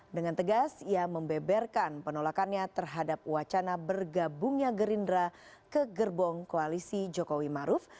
dengan tegas ia membeberkan penolakannya terhadap wacana bergabungnya gerindra ke gerbong koalisi jokowi maruf